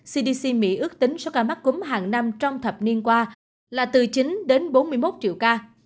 cdc mỹ ước tính số ca mắc cúm hàng năm trong thập niên qua là từ chín đến bốn mươi một triệu ca